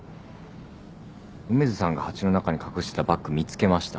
梅津さんが鉢の中に隠してたバッグ見つけました。